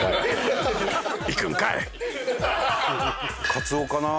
カツオかな？